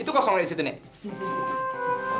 itu kosong dari situ nih